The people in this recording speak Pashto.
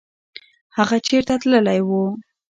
هغه چېرته تللی و؟